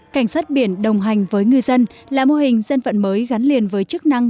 cảnh sát biển đồng hành với ngư dân là mô hình dân vận mới gắn liền với chức năng